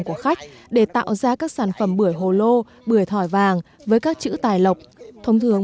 của khách để tạo ra các sản phẩm bưởi hồ lô bưởi thỏi vàng với các chữ tài lộc thông thường